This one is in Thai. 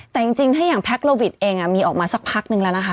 แต่จริงถ้าอย่างแพ็คโลวิทเองมีออกมาสักพักนึงแล้วนะคะ